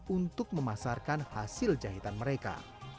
untuk memasarkan hasil jahitan mereka